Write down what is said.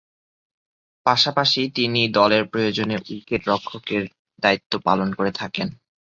পাশাপাশি তিনি দলের প্রয়োজনে উইকেট-রক্ষকের দায়িত্ব পালন করে থাকেন।